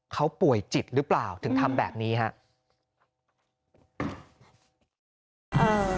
เขาป่วยจิตหรือเปล่าถึงทำแบบนี้ครับ